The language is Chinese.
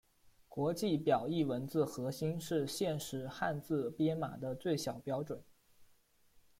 国际表意文字核心是现时汉字编码的最小标准。